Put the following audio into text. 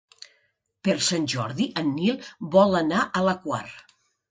Per Sant Jordi en Nil vol anar a la Quar.